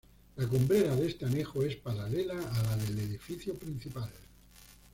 La cumbrera de este anejo es paralela a la del edificio principal.